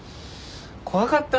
怖かった！